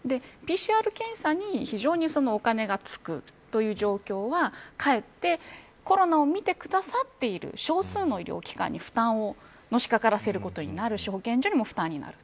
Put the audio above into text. ＰＣＲ検査に非常にお金がつくという状況は、かえってコロナを診てくださっている少数の医療機関に負担をのしかからせることになるし保健所にも負担になる。